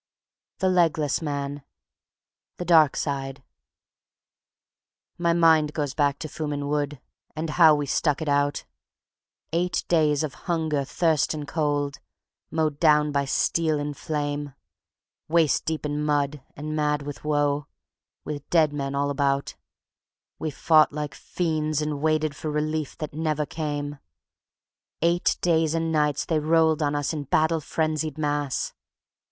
The Legless Man (The Dark Side) _My mind goes back to Fumin Wood, and how we stuck it out, Eight days of hunger, thirst and cold, mowed down by steel and flame; Waist deep in mud and mad with woe, with dead men all about, We fought like fiends and waited for relief that never came. Eight days and nights they rolled on us in battle frenzied mass!